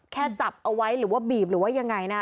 จับเอาไว้หรือว่าบีบหรือว่ายังไงนะ